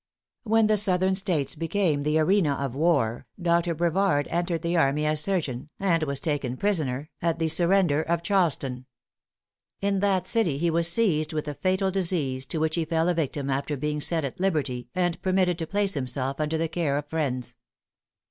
When the southern States became the arena of war, Dr. Brevard entered the army as surgeon, and was taken prisoner at the surrender of Charleston. In that city he was seized with a fatal disease, to which he fell a victim after being set at liberty, and permitted to place himself under the care of friends.